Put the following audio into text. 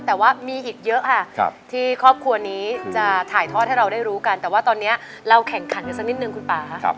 แต่ว่ามีอีกเยอะค่ะที่ครอบครัวนี้จะถ่ายทอดให้เราได้รู้กันแต่ว่าตอนนี้เราแข่งขันกันสักนิดนึงคุณป่า